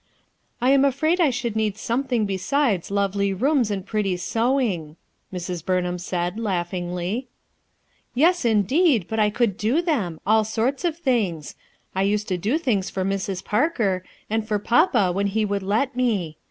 "I am afraid I should need something besides lovely rooms and pretty sewing/ 1 Mrs, Bumham said laughingly. " Yes, indeed ! but I could do them ; all sorts of tilings. I used to do things for Mrs, Parker, and for papa when he would let me.